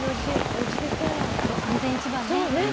安全一番ね。